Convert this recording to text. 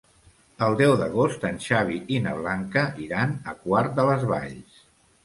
El deu d'agost en Xavi i na Blanca iran a Quart de les Valls.